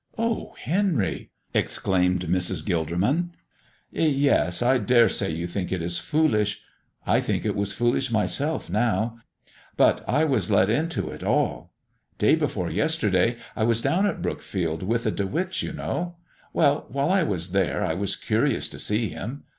"Oh, Henry!" exclaimed Mrs. Gilderman. "Yes. I dare say you think it is foolish. I think it was foolish myself now; but I was led into it all. Day before yesterday I was down at Brookfield with the De Witts, you know. Well, while I was there I was curious to see Him.